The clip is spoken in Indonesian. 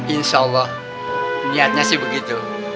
insya allah niatnya sih begitu